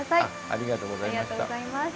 ありがとうございます。